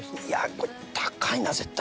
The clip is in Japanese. これ高いな絶対。